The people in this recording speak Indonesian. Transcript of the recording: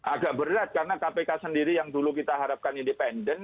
agak berat karena kpk sendiri yang dulu kita harapkan independen